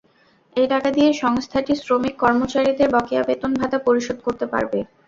এ টাকা দিয়ে সংস্থাটি শ্রমিক কর্মচারীদের বকেয়া বেতন ভাতা পরিশোধ করতে পারবে।